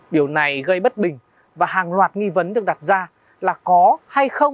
điều này gây bất bình và hàng loạt nghi vấn được đặt ra là có hay không việc bao che sai phạm tại xã nam hồng